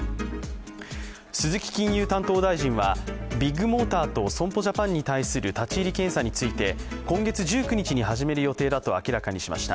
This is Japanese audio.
鈴木金融担当大臣はビッグモーターと損保ジャパンに対する立ち入り検査について、今月１９日に始める予定だと明らかにしました。